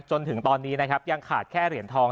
จนถึงตอนนี้ยังขาดแค่เหรียญทอง